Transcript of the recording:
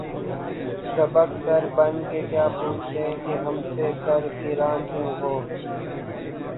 سبک سر بن کے کیا پوچھیں کہ ’’ ہم سے سر گراں کیوں ہو؟‘‘